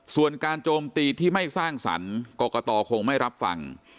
ส่วนการโจมตีที่ไม่สร้างสรรค์กรกตคงไม่รับฟัง